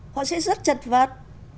họ sẽ rất chật vật